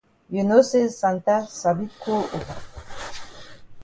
You know say Santa sabi cold over.